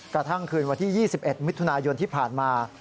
กระทั่งคืนวันที่๒๑มิถุนายนที่ผ่านมา